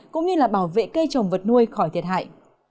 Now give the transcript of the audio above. cũng như là bảo vệ cây trồng vật nuôi khỏi thiệt hại